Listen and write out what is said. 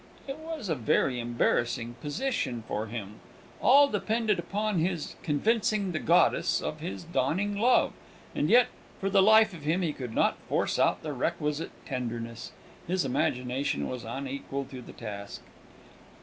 It was a very embarrassing position for him. All depended upon his convincing the goddess of his dawning love, and yet, for the life of him, he could not force out the requisite tenderness; his imagination was unequal to the task.